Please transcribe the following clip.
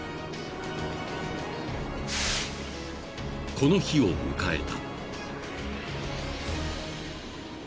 ［この日を迎えた］